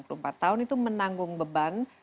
berusia enam puluh empat tahun itu menanggung beban